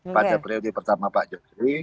pada periode pertama pak jokowi